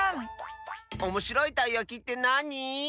おもしろいたいやきってなに？